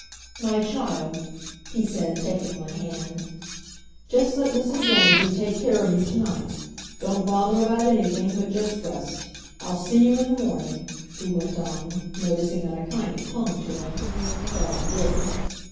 "My child," he said, taking my hand, "just let Mrs. Ramsay take care of you to night. Don't bother about anything, but just rest. I'll see you in the morning," he went on, noticing that I kind of clung to him. Well, I did.